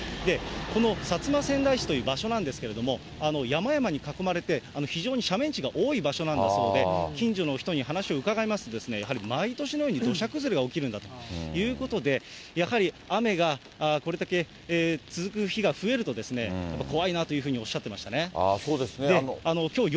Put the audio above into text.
この薩摩川内市という場所なんですけれども、山々に囲まれて、非常に斜面地が多い場所なんだそうで、近所の人に話を伺いますと、やはり毎年のように土砂崩れが起きるんだということで、やはり雨がこれだけ続く日が増えると、やっぱ怖いなというふうにおっしゃってましたね。